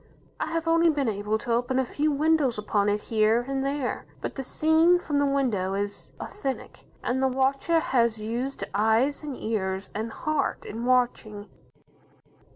I have only been able to open a few windows upon it here and there. But the scene from the windows is authentic, and the watcher has used eyes, and ears, and heart, in watching.